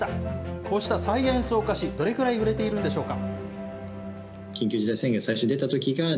こうしたサイエンスお菓子、どれくらい売れているんでしょうか。